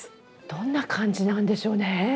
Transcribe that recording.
どんな感じなんでしょうね？